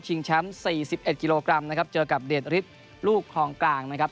แชมป์๔๑กิโลกรัมนะครับเจอกับเดชฤทธิ์ลูกคลองกลางนะครับ